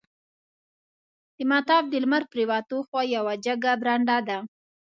د مطاف د لمر پریواته خوا یوه جګه برنډه ده.